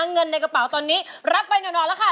เงินในกระเป๋าตอนนี้รับไปหน่อแล้วค่ะ